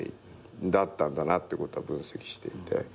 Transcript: だったんだなってことは分析していて。